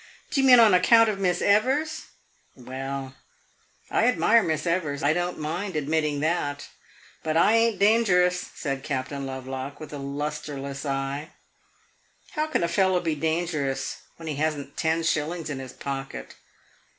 "Do you mean on account of Miss Evers? Well, I admire Miss Evers I don't mind admitting that; but I ain't dangerous," said Captain Lovelock, with a lustreless eye. "How can a fellow be dangerous when he has n't ten shillings in his pocket?